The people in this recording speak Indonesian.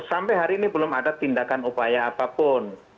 sampai hari ini belum ada tindakan upaya apapun